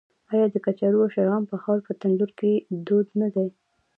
آیا د کچالو او شلغم پخول په تندور کې دود نه دی؟